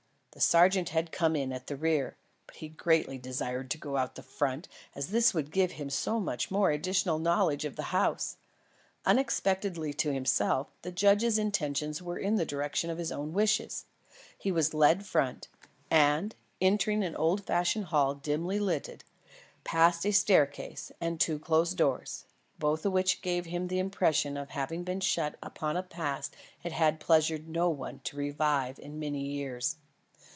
The sergeant had come in at the rear, but he greatly desired to go out front, as this would give him so much additional knowledge of the house. Unexpectedly to himself, the judge's intentions were in the direction of his own wishes. He was led front; and, entering an old fashioned hall dimly lighted, passed a staircase and two closed doors, both of which gave him the impression of having been shut upon a past it had pleasured no one to revive in many years.